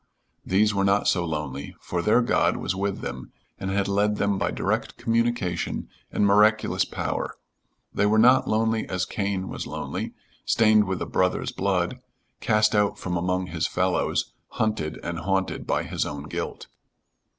these were not so lonely, for their God was with them and had led them by direct communication and miraculous power; they were not lonely as Cain was lonely, stained with a brother's blood, cast out from among his fellows, hunted and haunted by his own guilt.